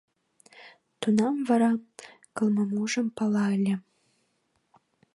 Тунам вара Кылмымужым пала ыле.